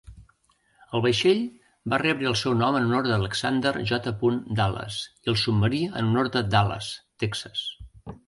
El vaixell va rebre el seu nom en honor d'Alexander J. Dallas, i el submarí en honor de Dallas, Texas.